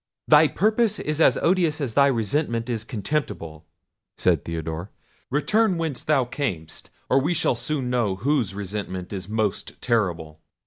"Thy purpose is as odious as thy resentment is contemptible," said Theodore. "Return whence thou camest, or we shall soon know whose resentment is most terrible."